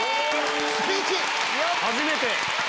初めて。